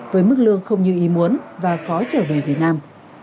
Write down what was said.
với mức lương không như ý muốn và khó trở về việt nam